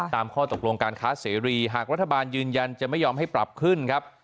ข้อตกลงการค้าเสรีหากรัฐบาลยืนยันจะไม่ยอมให้ปรับขึ้นครับ